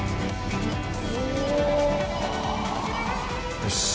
よし。